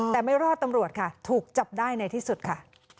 แต่ไม่รอดตำรวจค่ะถูกจับได้ในที่สุดค่ะ